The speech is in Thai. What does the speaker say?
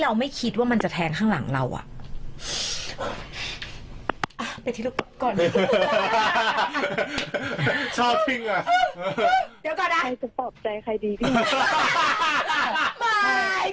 และถ้าปิดประจำมันนี้มาแนะนำตัวแบบฟัง